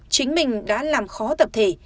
chính mình đã làm khó tập thể